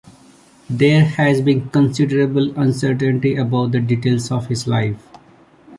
There has been considerable uncertainty about the details of his life.